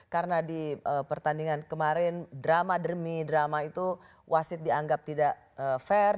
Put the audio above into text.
karena di pertandingan kemarin drama demi drama itu wasit dianggap tidak fair